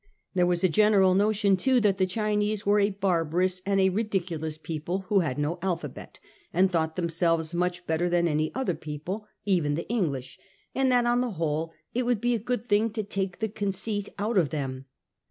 There was a general notion too, that the Chinese were a barbarous and a ridiculous people who had no alphabet, and thought themselves much better than any other people, even the English, and that, on the whole, it would be a good thing to take the conceit out of them.